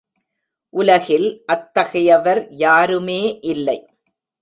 உலகில் அத்தகையவர் யாருமே இல்லை.